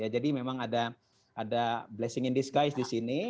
jadi memang ada blessing in disguise di sini